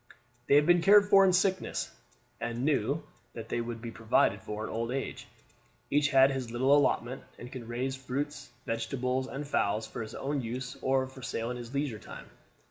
They had been cared for in sickness, and knew that they would be provided for in old age. Each had his little allotment, and could raise fruit, vegetables, and fowls for his own use or for sale in his leisure time.